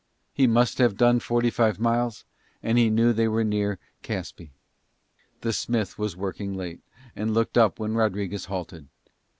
He must have done forty five miles and he knew they were near Caspe. The smith was working late, and looked up when Rodriguez halted.